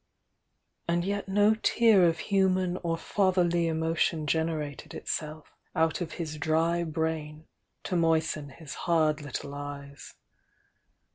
And yet no tear of human or fatherly emotion generated it self out of his dry brain to moisten his hard little eyes.